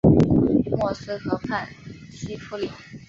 默斯河畔西夫里。